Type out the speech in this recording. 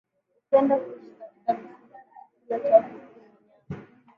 hupenda kuishi katika misitu na chakula chao kikuu ni nyama